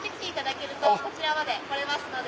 下るとこちらまで来れますので。